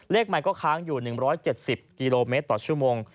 เลขใหม่ก็ค้างอยู่๑๗๐กิโลเมตรต่อชั่วโมง